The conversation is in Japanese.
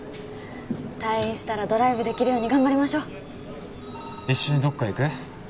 退院したらドライブできるように頑張りましょう一緒にどっか行く？